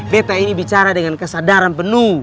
bt ini bicara dengan kesadaran penuh